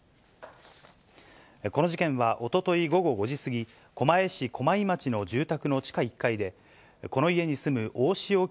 この事件はおととい午後５時過ぎ、狛江市駒井町の住宅の地下１階で、この家に住む大塩衣